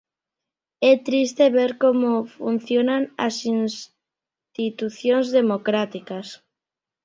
É triste ver como funcionan as institucións democráticas.